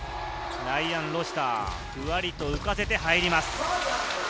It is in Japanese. ロシター、ふわりと浮かせて入ります。